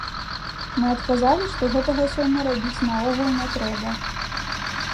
Мы адказалі, што гэтага сёння рабіць наогул не трэба.